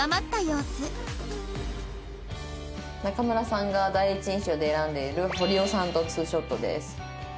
中村さんが第一印象で選んでいる堀尾さんと２ショットです。